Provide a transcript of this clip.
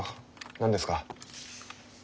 何ですか？